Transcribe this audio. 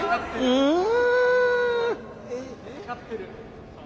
うん。